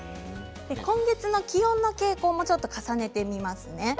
今月の気温の傾向も重ねてみます。